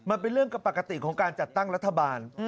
มันเป็นเรื่องกับปกติของการจัดตั้งรัฐบาล